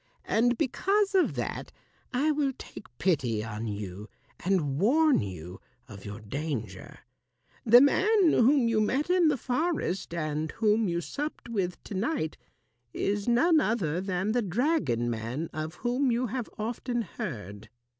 And because of that, I will take pity on you and warn you of your danger. The man whom you met in the forest and whom you supped with to night is none other than the dragon man of whom you have often heard.